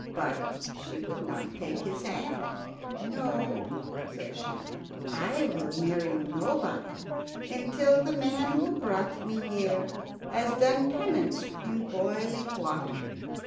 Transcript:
But she would not take his hand. "No," says she; "I will marry nobody until the man who brought me here has done penance in boiling water."